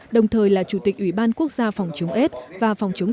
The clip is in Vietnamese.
đồng thời là chủ tịch ủy ban quốc gia phòng chống ết và phòng chống ết